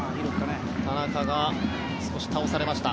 田中が少し倒されました。